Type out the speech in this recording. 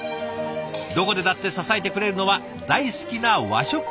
どこでだって支えてくれるのは大好きな和食弁当。